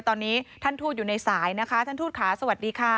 ตอนนี้ท่านทูตอยู่ในสายนะคะท่านทูตค่ะสวัสดีค่ะ